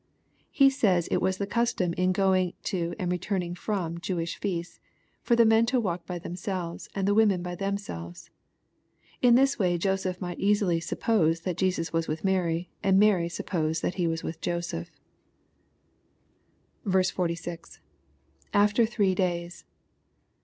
He says it was the custom in going to and returning from Jewish feasts, for the men to walk by themselves, and the women by themselves. In this way Joseph might easily ^' suppose" that Jesus was with Mary, and Mary " suppose" that He was with Joseph. %Q, — [After three days.